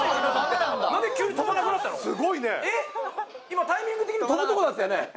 すごいね今タイミング的にとぶとこだったよね